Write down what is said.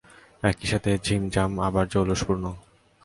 একই সাথে ছিমছাম আবার জৌলুসপূর্ণ।